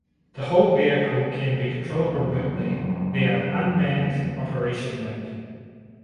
The whole vehicle can be controlled remotely via unmanned operation mode.